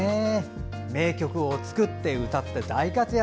名曲を作って歌って大活躍。